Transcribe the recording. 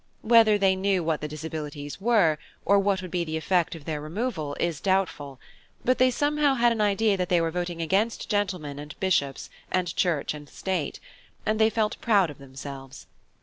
Whether they knew what the disabilities were, or what would be the effect of their removal, is doubtful; but they somehow had an idea that they were voting against gentlemen and Bishops, and Church and State, and they felt proud of themselves.